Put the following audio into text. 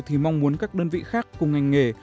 thì mong muốn các đơn vị khác cùng ngành nghề